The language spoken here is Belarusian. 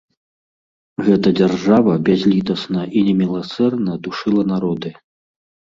Гэта дзяржава бязлітасна і неміласэрна душыла народы.